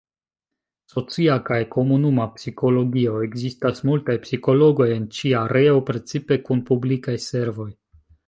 Socia kaj Komunuma Psikologio: Ekzistas multaj psikologoj en ĉi areo, precipe kun publikaj servoj.